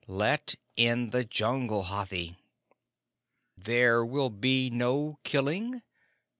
Let in the Jungle, Hathi!" "There will be no killing?